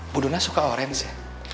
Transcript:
bu dona suka orange